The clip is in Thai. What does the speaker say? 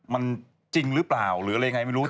มันจริงหรือเปล่าหรืออะไรยังไงไม่รู้